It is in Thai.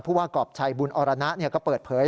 ว่ากรอบชัยบุญอรณะก็เปิดเผย